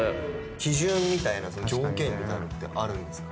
基準みたいな条件みたいなのってあるんですか？